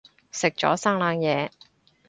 食咗生冷嘢